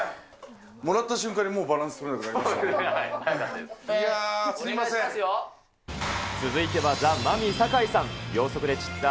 もらった瞬間にバランス取れなくなりました。